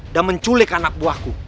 dan menculik anak buahku